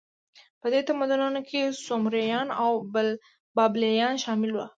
په دې تمدنونو کې سومریان او بابلیان شامل وو.